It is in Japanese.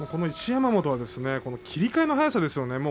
一山本切り替えの速さですね。